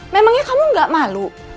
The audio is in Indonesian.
memangnya kamu gak malu